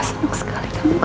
seneng sekali kamu kan papa